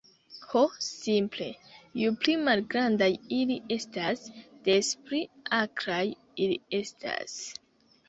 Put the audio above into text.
"Ho simple, ju pli malgrandaj ili estas, des pli akraj ili estas."